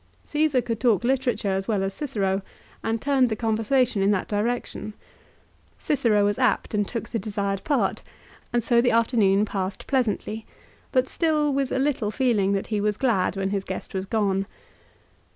Caesar could talk literature as well as Cicero, and turned the conversation in that direction. Cicero was apt and took the desired part, and so the afternoon passed pleasantly ; but still with a little feeling that he was glad when his guest was gone.